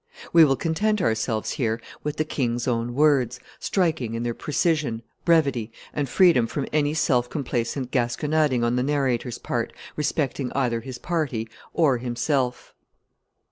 We will content ourselves here with the king's own words, striking in their precision, brevity, and freedom from any self complacent gasconading on the narrator's part, respecting either his party or himself.